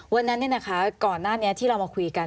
วันนั้นก่อนหน้านี้ที่เรามาคุยกัน